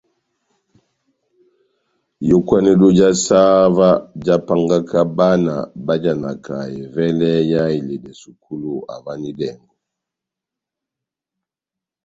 Iyókwanedo já saha óvah jahápángaka bána bájanaka evɛlɛ yá iledɛ sukulu havanidɛngo.